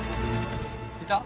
いた？